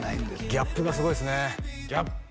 ギャップがすごいですねギャップ？